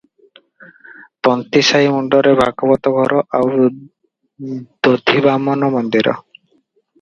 ତନ୍ତୀସାଇ ମୁଣ୍ତରେ ଭାଗବତ ଘର ଆଉ ଦଧିବାମନ ମନ୍ଦିର ।